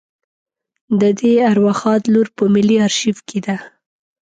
د دې ارواښاد لور په ملي آرشیف کې ده.